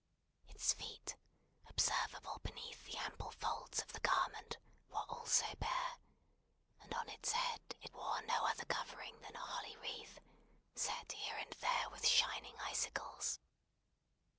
Its feet, observable beneath the ample folds of the garment, were also bare; and on its head it wore no other covering than a holly wreath, set here and there with shining icicles.